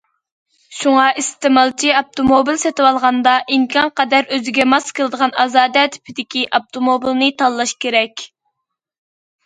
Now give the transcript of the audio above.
شۇڭا ئىستېمالچى ئاپتوموبىل سېتىۋالغاندا، ئىمكانقەدەر ئۆزىگە ماس كېلىدىغان ئازادە تىپىدىكى ئاپتوموبىلنى تاللاش كېرەك.